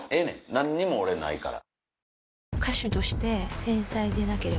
何も俺ないから。